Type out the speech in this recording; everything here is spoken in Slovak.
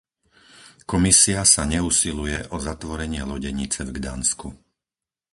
Komisia sa neusiluje o zatvorenie lodenice v Gdansku.